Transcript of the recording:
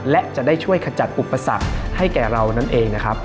และจะได้ช่วยขจัดอุปสรรคให้แก่เรานั่นเองนะครับ